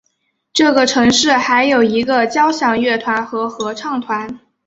这个城市还有一个交响乐团和合唱团。